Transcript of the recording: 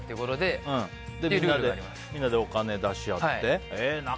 みんなでお金出し合って。